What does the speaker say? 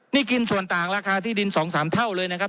นี่กินส่วนต่างราคาที่ดิน๒๓เท่าเลยนะครับ